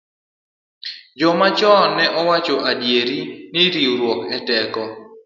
Joma chon ne owacho adieri ni riwruok e teko.